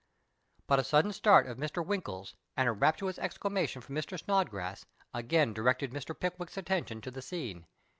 But a sudden start of Mr. Winkle's and a rapturous exclamation from Mr. Snodgrass again directed Mr^ Pickwick's attention to the scene.